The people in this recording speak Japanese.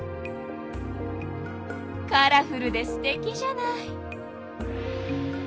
カラフルですてきじゃない。